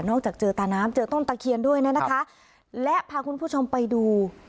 จากเจอตาน้ำเจอต้นตะเคียนด้วยเนี่ยนะคะและพาคุณผู้ชมไปดู